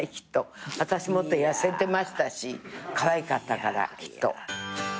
私もっと痩せてましたしかわいかったからきっと。